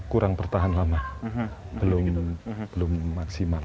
kurang bertahan lama belum maksimal